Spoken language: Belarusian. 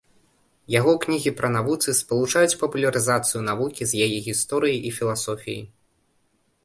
Яго кнігі пра навуцы спалучаюць папулярызацыю навукі з яе гісторыяй і філасофіяй.